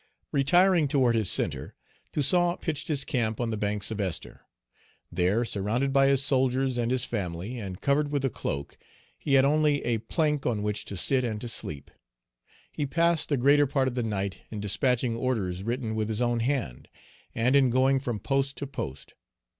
Retiring toward his centre, Toussaint pitched his camp on the banks of Esther. There, surrounded by his soldiers and his family, and covered with a cloak, he had only a plank on which to sit and to sleep. He passed the greater part of the night in despatching orders written with his own hand, and in going from post to post.